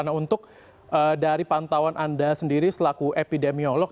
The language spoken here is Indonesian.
nah untuk dari pantauan anda sendiri selaku epidemiolog